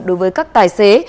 đối với các tài xế